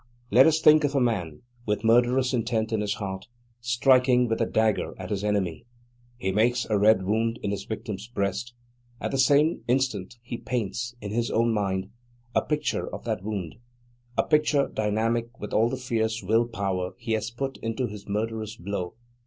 Let us think of a man, with murderous intent in his heart, striking with a dagger at his enemy. He makes a red wound in his victim's breast; at the same instant he paints, in his own mind, a picture of that wound: a picture dynamic with all the fierce will power he has put into his murderous blow.